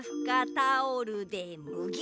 タオルでむぎゅ！